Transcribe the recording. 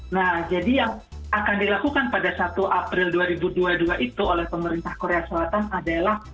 nah jadi yang akan dilakukan pada satu april dua ribu dua puluh dua itu oleh pemerintah korea selatan adalah